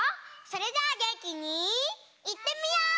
それじゃあげんきにいってみよう！